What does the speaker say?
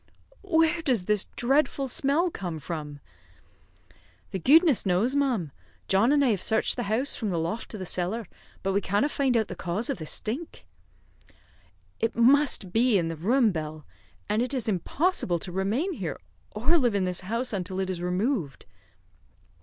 "Where does this dreadful smell come from?" "The guidness knows, ma'am; John and I have searched the house from the loft to the cellar, but we canna find out the cause of thae stink." "It must be in the room, Bell; and it is impossible to remain here, or live in this house, until it is removed."